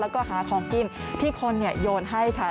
แล้วก็หาของกินที่คนโยนให้ค่ะ